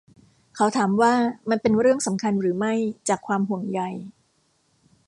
เขาถามว่ามันเป็นเรื่องสำคัญหรือไม่จากความห่วงใย.